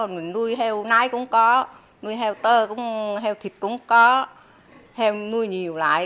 nuôi heo nái cũng có nuôi heo tơ heo thịt cũng có heo nuôi nhiều lại